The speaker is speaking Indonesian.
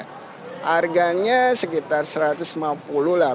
harganya sekitar satu ratus lima puluh lah